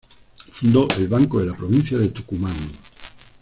Fundó el Banco de la Provincia de Tucumán.